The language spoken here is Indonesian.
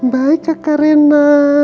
baik kakak rena